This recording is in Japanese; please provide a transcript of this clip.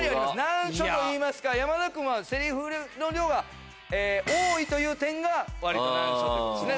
難所といいますかセリフの量が多いという点が割と難所ですね。